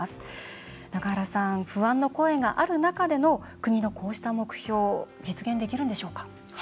中原さん、不安の声がある中での国のこうした目標実現できるんでしょうか？